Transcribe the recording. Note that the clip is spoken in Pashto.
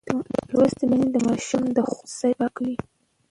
لوستې میندې د ماشومانو د خوب ځای پاکوي.